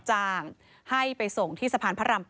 จ้างให้ไปส่งที่สะพานพระราม๘